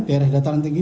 daerah dataran tinggi